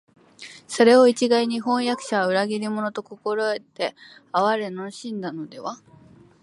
それを一概に「飜訳者は裏切り者」と心得て畏れ謹しんだのでは、